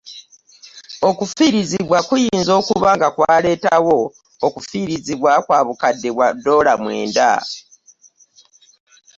Okufiirizibwa kuyinza okuba nga kwaleetawo okufiirizibwa kwa bukadde bwa ddoola mwenda.